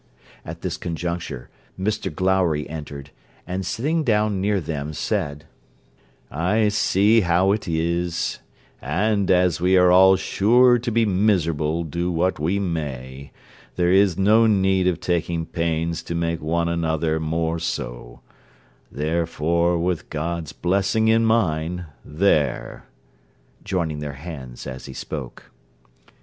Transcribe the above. At this conjuncture, Mr Glowry entered, and sitting down near them, said, 'I see how it is; and, as we are all sure to be miserable do what we may, there is no need of taking pains to make one another more so; therefore, with God's blessing and mine, there' joining their hands as he spoke.